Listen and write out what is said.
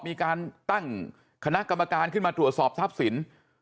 มีการตั้งคณะกรรมการขึ้นมาตรวจสอบทรัพย์สิน